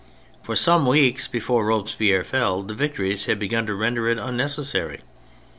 For some weeks before Robes pierre fell the victories had begun to render it unnecessary.